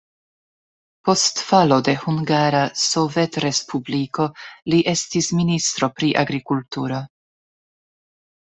Post falo de Hungara Sovetrespubliko li estis ministro pri agrikulturo.